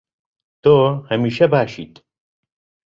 تۆ هەمیشە باشیت.